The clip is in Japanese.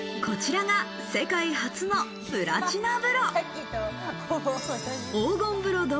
こちらが世界初のプラチナ風呂。